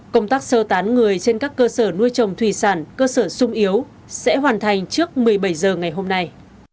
công tác sơ tán người trên các cơ sở nuôi trồng thủy sản cơ sở sung yếu sẽ hoàn thành trước một mươi bảy h ngày hôm nay